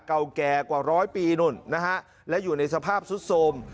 เก่าแก่กว่าร้อยปีนู่นนะฮะและอยู่ในสภาพสุดโทรม